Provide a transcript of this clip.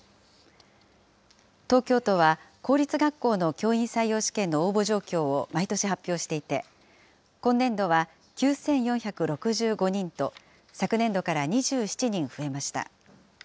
東京都は、公立学校の教員採用試験の応募状況を毎年発表していて、今年度は９４６５人と、昨年度から２７人増えました。